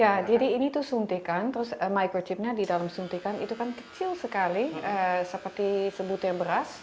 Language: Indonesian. ya jadi ini tuh suntikan terus microchipnya di dalam suntikan itu kan kecil sekali seperti sebutnya beras